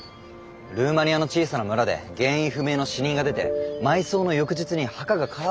ルーマニアの小さな村で原因不明の死人が出て埋葬の翌日に墓が空っぽになってたって。